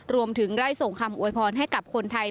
รวมถึงได้ส่งคำอวยพรให้กับคนไทย